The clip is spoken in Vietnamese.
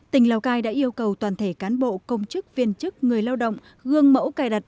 tỉnh lào cai đã yêu cầu toàn thể cán bộ công chức viên chức người lao động gương mẫu cài đặt